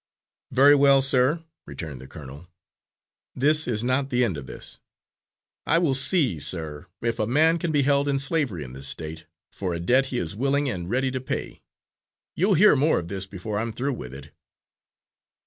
"Very well, sir," returned the colonel, "this is not the end of this. I will see, sir, if a man can be held in slavery in this State, for a debt he is willing and ready to pay. You'll hear more of this before I'm through with it."